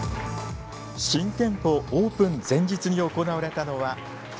新店舗オープン前日に行われたのは結婚式。